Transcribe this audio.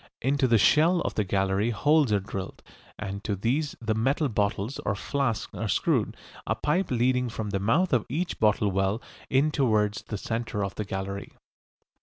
Into the shell of the gallery holes are drilled, and to these the metal bottles or flasks are screwed, a pipe leading from the mouth of each bottle well in towards the centre of the gallery.